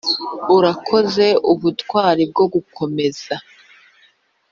urakoze ubutwari bwo gukomeza,